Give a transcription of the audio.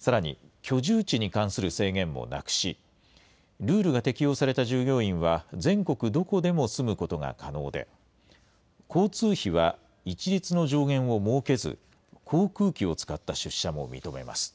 さらに、居住地に関する制限もなくし、ルールが適用された従業員は、全国どこでも住むことが可能で、交通費は一律の上限を設けず、航空機を使った出社も認めます。